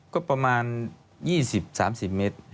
ก็ประมาณ๒๐๓๐เมตร